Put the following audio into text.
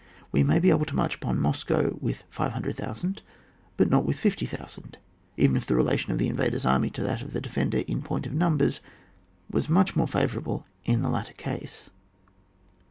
We may be able to march upon Moscow with 500,000 but not with 50,000, even if the relation of the invader's army to that of the defender in point of numbers were much more favourable in the latter case.